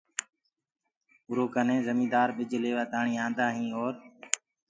اُرو ڪني جميدآر ٻج ليوآ تآڻي آندآ هين اور